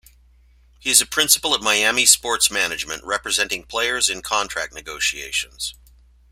He is a principal at Miami Sports Management representing players in contract negotiations.